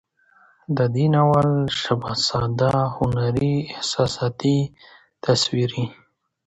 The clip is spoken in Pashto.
د دې ناول ژبه ساده، هنري، احساساتي، تصويري